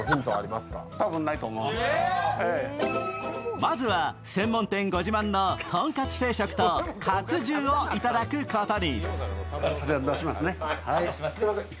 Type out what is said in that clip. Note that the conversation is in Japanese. まずは専門店ご自慢のとんかつ定食とかつ重をいただくことに。